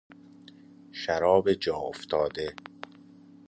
شراب جا افتاده